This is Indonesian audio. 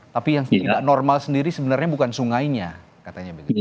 tapi yang tidak normal sendiri sebenarnya bukan sungainya katanya begitu